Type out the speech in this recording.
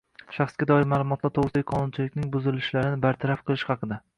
shaxsga doir ma’lumotlar to‘g‘risidagi qonunchilikning buzilishlarini bartaraf qilish haqida